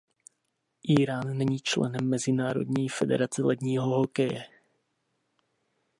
Írán není členem Mezinárodní federace ledního hokeje.